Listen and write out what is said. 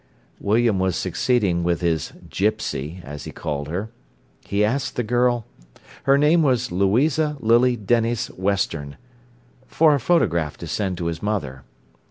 William was succeeding with his "Gipsy", as he called her. He asked the girl—her name was Louisa Lily Denys Western—for a photograph to send to his mother.